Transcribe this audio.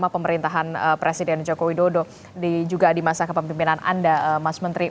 pemerintahan presiden joko widodo juga di masa kepemimpinan anda mas menteri